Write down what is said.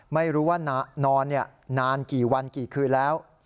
ไม่รู้ว่านอนนานกี่วันกี่คืนแล้ว